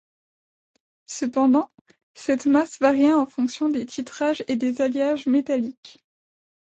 Cependant, cette masse variait en fonction des titrages et des alliages métalliques.